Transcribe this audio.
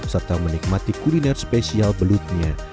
serta menikmati kuliner spesial belutnya